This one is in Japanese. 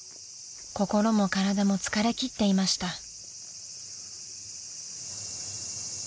［心も体も疲れきっていました］